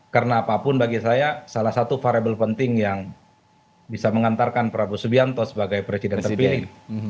karena apapun bagi saya salah satu variable penting yang bisa mengantarkan prabowo subianto sebagai presiden terpilih